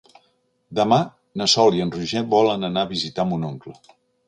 Demà na Sol i en Roger volen anar a visitar mon oncle.